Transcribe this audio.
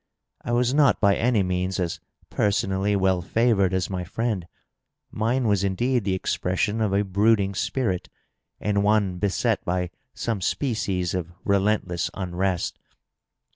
I was not by any means as personally well favored as my friend ; mine was indeed the expression of a brooding spirit, and one beset by some species of relentless unrest.